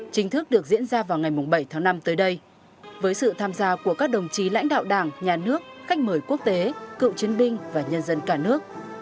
chính thức được diễn ra vào ngày bảy tháng năm tới đây với sự tham gia của các đồng chí lãnh đạo đảng nhà nước khách mời quốc tế cựu chiến binh và nhân dân cả nước